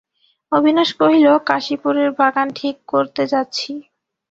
অবিনাশ কহিল, কাশীপুরের বাগান ঠিক করতে যাচ্ছি।